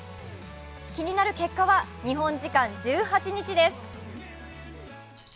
気になる結果は日本時間１８日です。